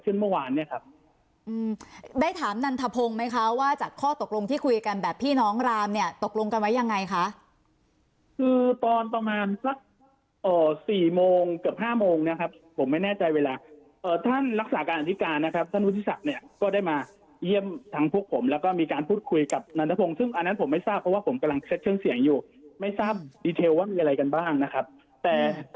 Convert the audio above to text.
คุณธินากรบอกว่าคุณธินากรบอกว่าคุณธินากรบอกว่าคุณธินากรบอกว่าคุณธินากรบอกว่าคุณธินากรบอกว่าคุณธินากรบอกว่าคุณธินากรบอกว่าคุณธินากรบอกว่าคุณธินากรบอกว่าคุณธินากรบอกว่าคุณธินากรบอกว่าคุณธินากรบอกว่าคุณธินากรบอกว่าคุณธินากรบอกว่าคุณธินากรบอก